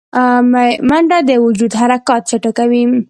منډه د وجود حرکات چټکوي